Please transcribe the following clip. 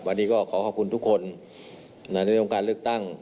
วันนี้ก็ขอขอบคุณทุกคนในเรื่องของการเลือกตั้ง